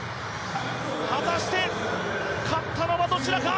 果たして、勝ったのはどちらか？